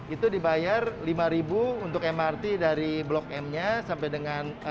itu dibayar rp lima untuk mrt dari blok m nya sampai dengan